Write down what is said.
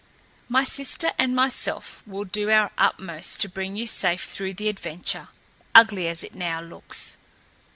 My sister and myself will do our utmost to bring you safe through the adventure, ugly as it now looks."